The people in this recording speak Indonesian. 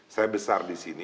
saya besar di sini